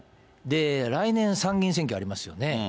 来年、参議院選挙ありますよね。